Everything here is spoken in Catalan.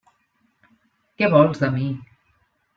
Què vols de mi?